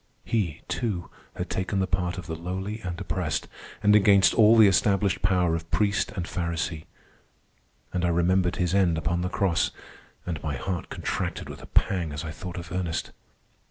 He, too, had taken the part of the lowly and oppressed, and against all the established power of priest and pharisee. And I remembered his end upon the cross, and my heart contracted with a pang as I thought of Ernest.